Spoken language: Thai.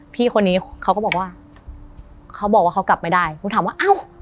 พี่คนนี้เขาก็บอกว่าเขาบอกว่าเขากลับไม่ได้มึงถามว่าอ้าว